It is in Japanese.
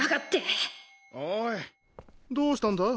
おいどうしたんだ？